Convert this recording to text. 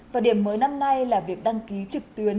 và điểm mới năm nay là việc đăng ký trực tuyến